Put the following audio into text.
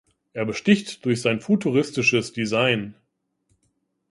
Er besticht durch sein futuristisches Design.